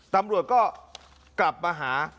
ตำรวจก็กลับมาหา